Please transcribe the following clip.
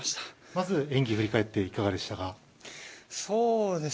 まず演技を振り返っていかがでしたか？